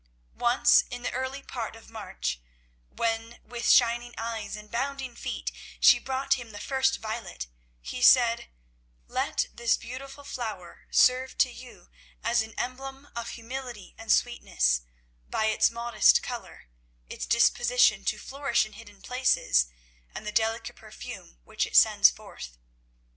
Once in the early part of March, when with shining eyes and bounding feet she brought him the first violet, he said, "Let this beautiful flower serve to you as an emblem of humility and sweetness, by its modest colour, its disposition to flourish in hidden places, and the delicate perfume which it sends forth.